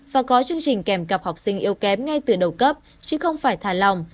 và có chương trình kèm cặp học sinh yếu kém ngay từ đầu cấp chứ không phải thả lòng